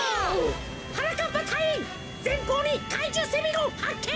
はなかっぱたいいんぜんぽうにかいじゅうセミゴンはっけん！